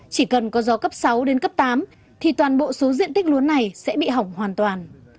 chỉ cần có gió cấp sáu đến cấp tám thì toàn bộ số diện tích lúa này sẽ bị hỏng hoàn toàn